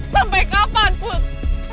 sampai kapan put